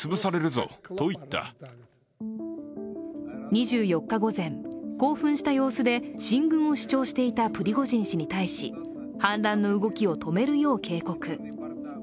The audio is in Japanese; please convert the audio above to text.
２４日午前、興奮した様子で進軍を主張していたプリゴジン氏に対し反乱の動きを止めるよう警告。